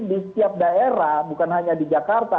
di setiap daerah bukan hanya di jakarta